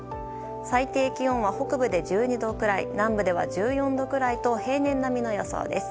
最低気温は北部で１２度くらい南部では１４度くらいと平年並みの予想です。